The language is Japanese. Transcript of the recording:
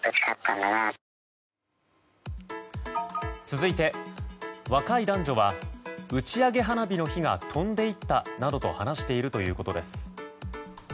続いて、若い男女は打ち上げ花火の火が飛んでいったなどと話しているということです。